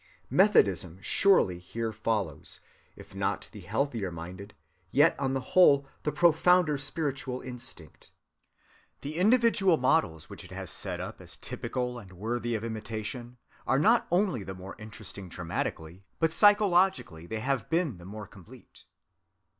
Methodism surely here follows, if not the healthier‐minded, yet on the whole the profounder spiritual instinct. The individual models which it has set up as typical and worthy of imitation are not only the more interesting dramatically, but psychologically they have been the more complete.